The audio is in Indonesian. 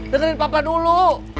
dengarkan papa dulu